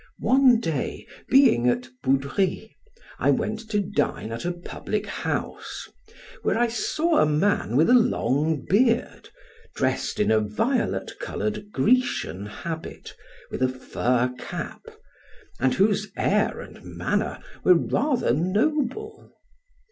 One day, being at Boudry, I went to dine at a public house, where I saw a man with a long beard, dressed in a violet colored Grecian habit, with a fur cap, and whose air and manner were rather noble.